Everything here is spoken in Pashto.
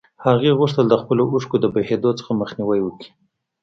هغې غوښتل د خپلو اوښکو د بهېدو څخه مخنيوی وکړي.